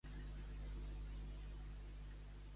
Val més un prompte que cinc tossuts.